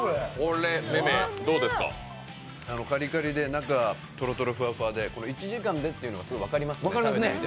カリカリで中とろとろふわふわで、１時間でというのは分かりますね。